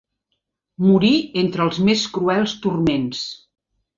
Morí entre els més cruels turments.